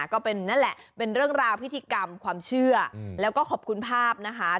ก็เป็นนั่นแหละเป็นเรื่องราวพิธีกรรมความเชื่อแล้วก็ขอบคุณภาพนะคะ